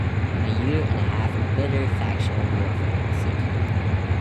A year and a half of bitter factional warfare ensued.